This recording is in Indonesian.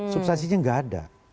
subsasinya nggak ada